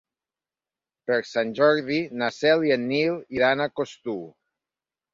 Per Sant Jordi na Cel i en Nil iran a Costur.